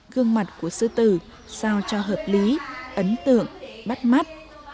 gương mặt của sư tử sao cho hợp lý ấn tượng bắt mắt